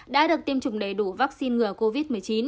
đã được tiêm chủng đầy đủ vaccine ngừa covid một mươi chín